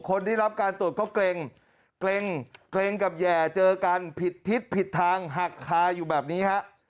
คนที่รับการตรวจก็เกร็งเกร็งเกร็งกับแห่เจอกันผิดทิศผิดทางหักคาอยู่แบบนี้ฮะ